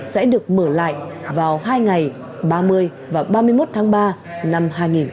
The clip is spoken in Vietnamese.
sẽ được mở lại vào hai ngày ba mươi và ba mươi một tháng ba năm hai nghìn hai mươi